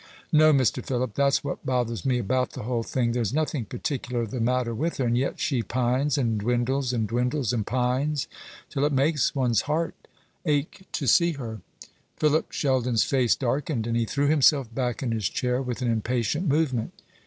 "No, Mr. Philip; that's what bothers me about the whole thing. There's nothing particular the matter with her; and yet she pines and dwindles, and dwindles and pines, till it makes one's heart ache to see her." Philip Sheldon's face darkened, and he threw himself back in his chair with an impatient movement.